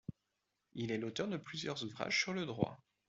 Il est l'auteur de plusieurs ouvrages sur le droit.